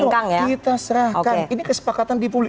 kita serahkan ini kesepakatan dipulih